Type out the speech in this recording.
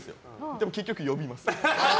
でも結局呼びます。